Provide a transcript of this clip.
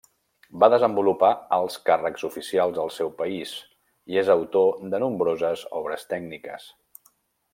Va desenvolupar alts càrrecs oficials al seu país i és autor de nombroses obres tècniques.